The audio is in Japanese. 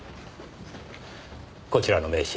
こちらの名刺